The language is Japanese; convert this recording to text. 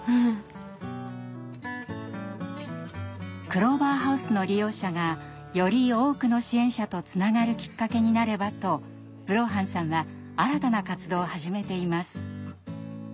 クローバーハウスの利用者がより多くの支援者とつながるきっかけになればとブローハンさんは新たな活動を始めています。